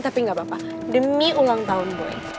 tapi gak apa apa demi ulang tahun boy